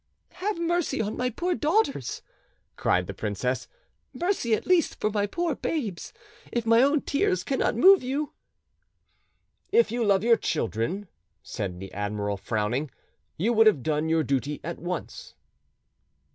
"Have mercy on my poor daughters!" cried the princess; "mercy at least for my poor babes, if my own tears cannot move you." "If you loved your children," said the admiral, frowning, "you would have done your duty at once."